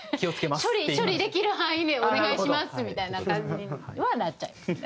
処理できる範囲にお願いしますみたいな感じにはなっちゃいますね。